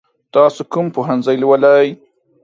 تاسو کوم پوهنځی لولئ؟